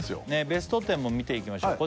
ベスト１０も見ていきましょう